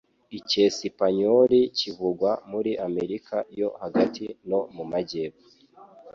Icyesipanyoli kivugwa muri Amerika yo Hagati no mu majyepfo.